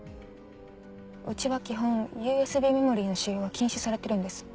うちは基本ＵＳＢメモリーの使用は禁止されてるんです。